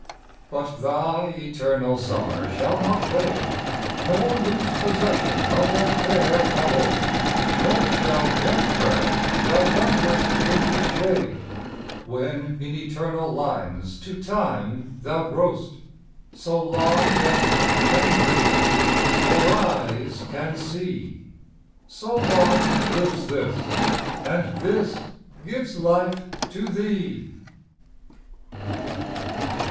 But thy eternal summer shall not fade, Nor lose possession of that fair thou owest; Nor shall death brag thou wanderest in his shade, When in eternal lines to time thou growest. So long as men can breathe, or eyes can see, So long lives this, and this gives life to thee.